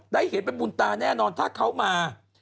ได้เห็นเป็นบุญตาแน่นอนถ้าเขามา